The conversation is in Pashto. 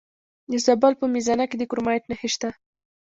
د زابل په میزانه کې د کرومایټ نښې شته.